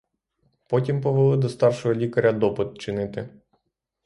Потім повели до старшого лікаря допит чинити.